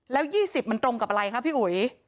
แล้ว๒๐มันตรงกับอะไรคะพี่อุ๋ย